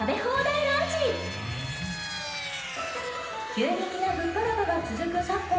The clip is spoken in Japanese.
急激な物価高が続く昨今